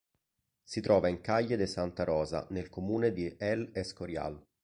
Si trova in calle de Santa Rosa, nel comune di El Escorial.